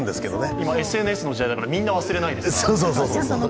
今、ＳＮＳの時代ですからみんな忘れないですから。